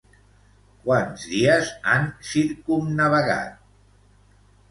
Quants dies han circumnavegat?